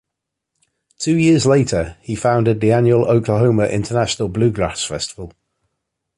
Two years later he founded the annual Oklahoma International Bluegrass Festival.